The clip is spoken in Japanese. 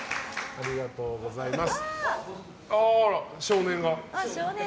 ありがとうございます！